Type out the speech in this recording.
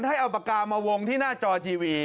ให้เอาปากกามาวงที่หน้าจอทีวี